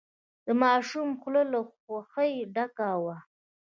د ماشوم خوله له خوښۍ ډکه وه.